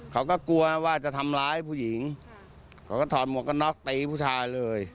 เขาก็กลัวว่าจะทำร้ายผู้หญิงเขาก็ถอดหมวกกันน็อกตีผู้ชายเลย